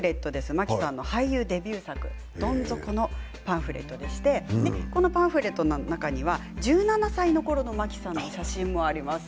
真木さんの俳優デビュー作「どん底」のパンフレットでしてこのパンフレットの中には１７歳のころの真木さんの写真もあります。